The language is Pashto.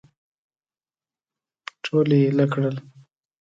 ټول یې اېل کړل.